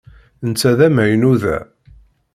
Netta d amaynu da.